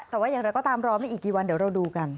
แต่ว่าอย่างไรก็ตามรอไม่อีกกี่วันเดี๋ยวเราดูกัน